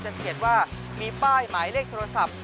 จนสังเกตว่ามีป้ายหมายเลขโทรศัพท์